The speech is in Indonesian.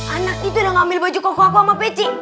anak itu udah ngambil baju koko aku sama peci